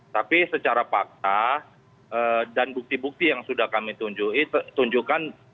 tapi secara fakta dan bukti bukti yang sudah kami tunjukkan